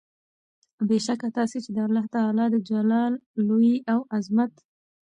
بې شکه تاسي چې د الله تعالی د جلال، لوئي او عظمت